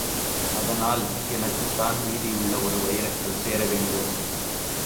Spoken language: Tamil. அதனால் எனக்குத்தான் மீதியுள்ள ஒரு வைரக்கல் சேர வேண்டும்!